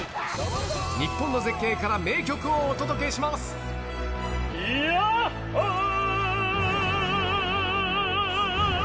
日本の絶景から名曲をお届けしまヤッホー！